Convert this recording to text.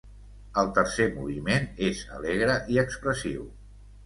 El tercer moviment és alegre i expressiu.